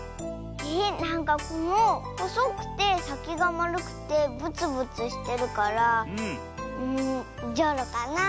えなんかこのほそくてさきがまるくてぶつぶつしてるからじょうろかなって。